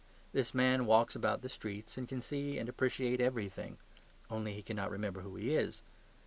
This man walks about the streets and can see and appreciate everything; only he cannot remember who he is.